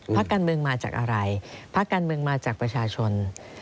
พักการเมืองมาจากอะไรพักการเมืองมาจากประชาชน